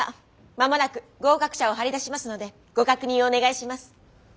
間もなく合格者を貼り出しますのでご確認をお願いします。